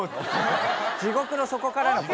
地獄の底からの声。